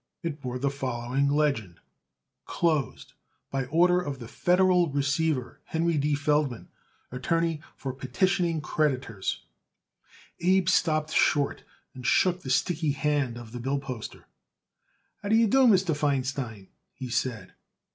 It bore the following legend: CLOSED BY ORDER OF THE FEDERAL RECEIVER HENRY D. FELDMAN Attorney for Petitioning Creditors Abe stopped short and shook the sticky hand of the bill poster. "How d'ye do, Mr. Feinstein?" he said.